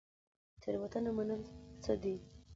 تیروتنه منل څه دي؟